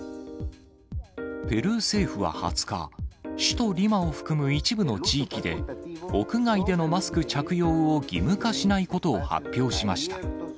ペルー政府は２０日、首都リマを含む一部の地域で、屋外でのマスク着用を義務化しないことを発表しました。